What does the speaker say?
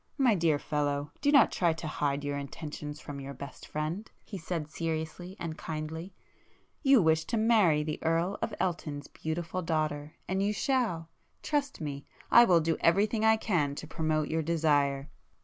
"My dear fellow, do not try to hide your intentions from your best friend,"—he said seriously and kindly—"You wish to marry the Earl of Elton's beautiful daughter, and you shall. Trust me!—I will do everything I can to promote your desire."